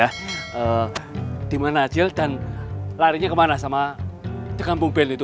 eee dimana acil dan larinya kemana sama dekampung band itu